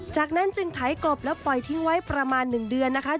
จากนั้นจึงไถกบแล้วปล่อยทิ้งไว้ประมาณ๑เดือนนะคะ